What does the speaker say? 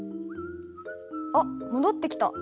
あっ戻ってきた。